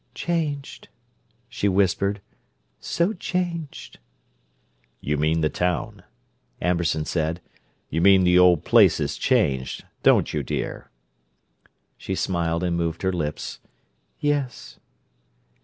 "Changed," she whispered. "So changed." "You mean the town," Amberson said. "You mean the old place is changed, don't you, dear?" She smiled and moved her lips: "Yes."